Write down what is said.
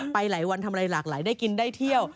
ไปหลายวันทำอะไรหลากหลายได้กินได้เที่ยว